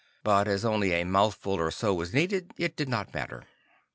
But as only a mouthful or so was needed, it did not matter.